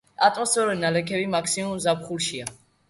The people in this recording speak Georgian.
ატმოსფერული ნალექების მაქსიმუმი ზაფხულშია.